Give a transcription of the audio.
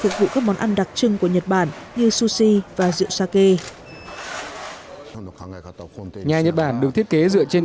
của các món ăn đặc trưng của nhật bản như sushi và rượu sake nhà nhật bản được thiết kế dựa trên